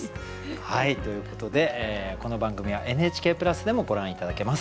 はいということでこの番組はＮＨＫプラスでもご覧頂けます。